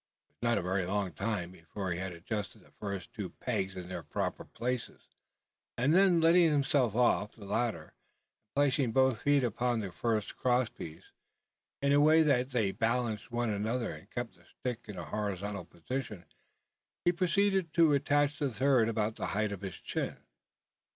It was not a very long time, before he had adjusted the first two pegs in their proper places; and, then letting himself off the ladder, and placing both his feet upon the first cross piece, in a way that they balanced one another and kept the stick in a horizontal position he proceeded to attach the third about the height of his chin.